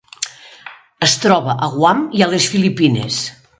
Es troba a Guam i a les Filipines.